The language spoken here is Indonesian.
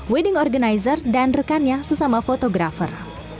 wedding organizer dan rekannya sesama fotografer